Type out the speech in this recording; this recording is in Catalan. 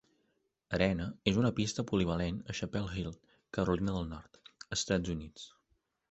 Arena és un pista polivalent a Chapel Hill, Carolina del Nord, Estats Units.